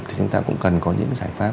thì chúng ta cũng cần có những giải pháp